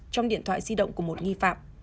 trong điện thoại di động của một nghi phạm